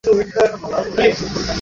আমি ঠিক নিশ্চিত নই আপনি কী বলতে চাইছেন।